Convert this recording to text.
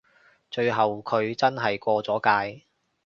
最後佢真係過咗界